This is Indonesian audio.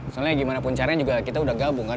soalnya gimana pun caranya juga kita udah gabung kan